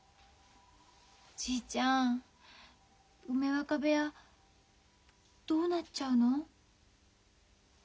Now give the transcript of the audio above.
おじいちゃん梅若部屋どうなっちゃうの？